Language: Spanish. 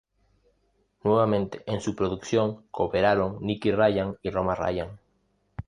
Nuevamente, en su producción cooperaron Nicky Ryan y Roma Ryan.